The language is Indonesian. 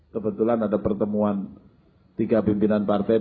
kebetulan ada pertemuan tiga pimpinan partai di pks